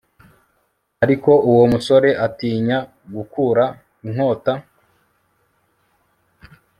ariko uwo musore atinya gukura inkota